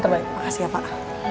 terima kasih ya pak